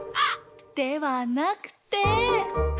ではなくて。